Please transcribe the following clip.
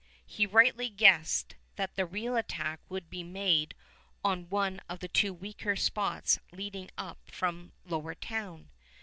He rightly guessed that the real attack would be made on one of the two weaker spots leading up from Lower Town.